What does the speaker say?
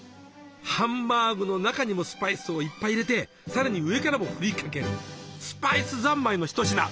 ハンバーグの中にもスパイスをいっぱい入れて更に上からもふりかけるスパイス三昧の一品。